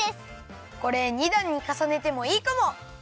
これ２だんにかさねてもいいかも！